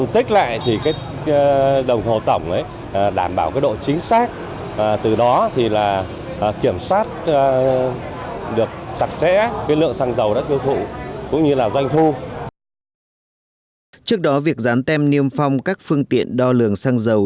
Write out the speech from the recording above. trước đó việc gián tem niêm phong các phương tiện đo lường xăng dầu